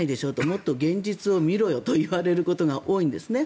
もっと現実を見ろよと言われることが多いんですね。